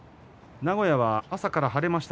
名古屋は朝から晴れました。